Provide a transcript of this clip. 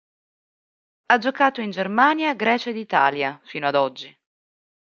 Ha giocato in Germania, Grecia ed Italia fino ad oggi.